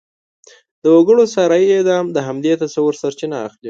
د وګړو صحرايي اعدام د همدې تصوره سرچینه اخلي.